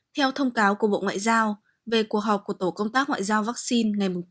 theo thông cáo của bộ ngoại giao về cuộc họp của tổ công tác ngoại giao vaccine ngày tám